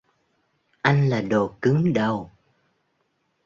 anh là đồ cứng đầu